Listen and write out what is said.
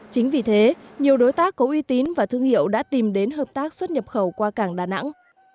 chính vì thế nhiều đối tác có uy tín và thương hiệu đã tìm đến hợp tác xuất nhập khẩu qua cảng đà nẵng